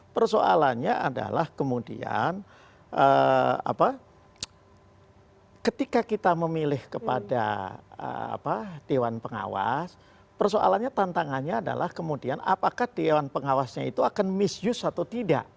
persoalannya adalah kemudian ketika kita memilih kepada dewan pengawas persoalannya tantangannya adalah kemudian apakah dewan pengawasnya itu akan mis use atau tidak